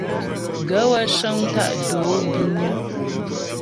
Gaə̂ wə́ cə́ŋ tá' dǒ bínyə́.